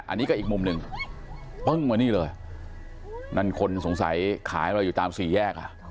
อันนี้ก็อีกมุมหนึ่งปึ้งมานี่เลยนั่นคนสงสัยขายเราอยู่ตามสี่แยกอ่ะ